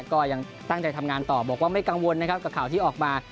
ก็ยังตั้งใจทำงานต่อบอกว่าไม่กังวลนะครับกับข่าวที่ออกมา